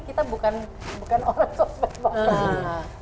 kita bukan orang sosmed banget